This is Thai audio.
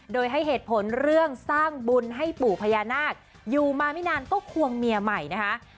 โดยให้เหตุผลเรื่องสร้างบุญให้ปู่พญานาคอยู่มาไม่นานก็ควงเมียใหม่นะคะ